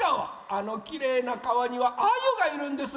あのきれいなかわにはアユがいるんです。